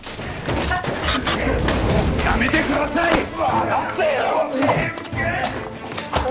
やめてください！離せよ！